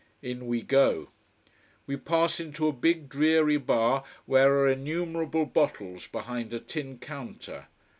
In we go. We pass into a big, dreary bar, where are innumerable bottles behind a tin counter.